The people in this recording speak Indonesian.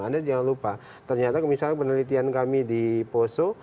anda jangan lupa ternyata misalnya penelitian kami di poso